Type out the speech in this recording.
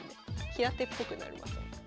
平手っぽくなりますよね。